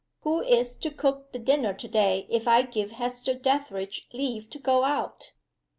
Who is to cook the dinner to day if I give Hester Dethridge leave to go out?"